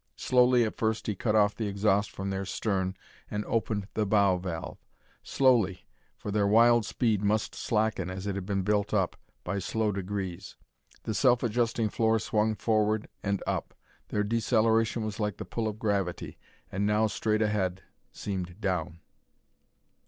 Slowly at first he cut off the exhaust from their stern and opened the bow valve. Slowly, for their wild speed must slacken as it had been built up, by slow degrees. The self adjusting floor swung forward and up. Their deceleration was like the pull of gravity, and now straight ahead seemed down.